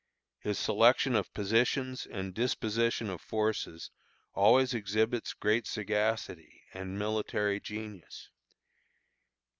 His selection of positions and disposition of forces always exhibits great sagacity and military genius.